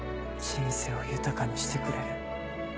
人生を豊かにしてくれる。